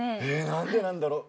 何でなんだろう。